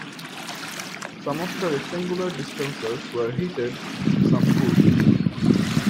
Some of the rectangular dispensers were heated, some cooled.